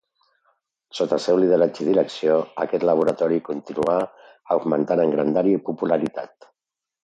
Sota el seu lideratge i direcció, aquest laboratori continuà augmentant en grandària i popularitat.